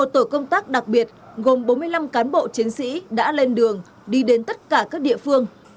một tổ công tác đặc biệt gồm bốn mươi năm cán bộ chiến sĩ đã lên đường đi đến tất cả các địa phương